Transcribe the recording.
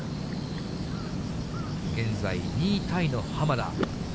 現在２位タイの濱田。